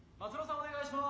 お願いします！